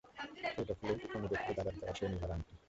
কৌটা খুলে কুমু দেখলে দাদার দেওয়া সেই নীলার আংটি।